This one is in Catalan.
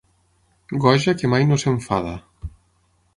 Goja que mai no s'enfada.